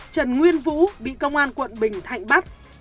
trần nguyên vũ bị công an quận bình thạnh bắt